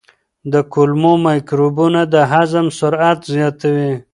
د کولمو مایکروبونه د هضم سرعت زیاتوي.